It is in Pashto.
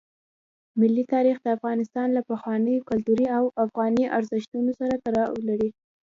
ملي تاریخ د افغانستان له پخوانیو کلتوري او افغاني ارزښتونو سره تړاو لري.